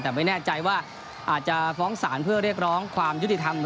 แต่ไม่แน่ใจว่าอาจจะฟ้องศาลเพื่อเรียกร้องความยุติธรรม